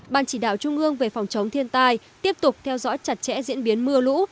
ban chỉ đạo trung ương về phòng chống thiên tai tiếp tục theo dõi chặt chẽ diễn biến mưa lũ